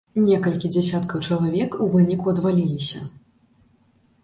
Некалькі дзясяткаў чалавек у выніку адваліліся.